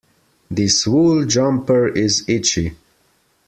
This wool jumper is itchy.